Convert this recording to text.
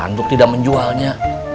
untuk tidak menjualnya